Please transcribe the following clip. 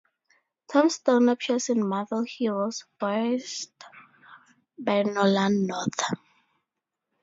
Tombstone appears in "Marvel Heroes", voiced by Nolan North.